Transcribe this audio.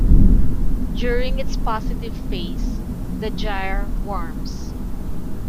During its positive phase, the gyre warms.